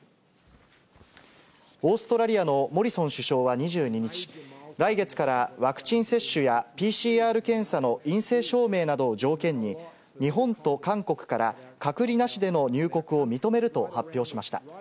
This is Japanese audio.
オーストラリアのモリソン首相は２２日、来月からワクチン接種やＰＣＲ検査の陰性証明などを条件に、日本と韓国から隔離なしでの入国を認めると発表しました。